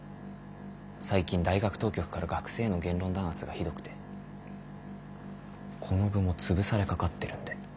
最近大学当局から学生への言論弾圧がひどくてこの部も潰されかかってるんで。